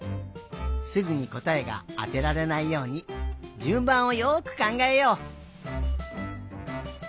すぐにこたえがあてられないようにじゅんばんをよくかんがえよう。